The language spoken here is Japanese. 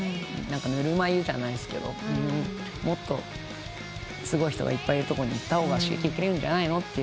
ぬるま湯じゃないんすけどもっとすごい人がいっぱいいるとこに行った方が刺激受けられるんじゃないのって